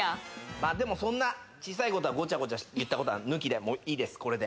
まあでもそんな小さいことはごちゃごちゃ言ったことは抜きでいいですこれで。